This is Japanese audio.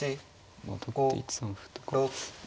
まあ取って１三歩とかですかね。